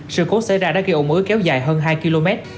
sự cố xảy ra đã gây ổn ứ kéo dài hơn hai km